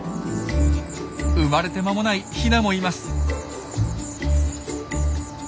生まれて間もないヒナもいます。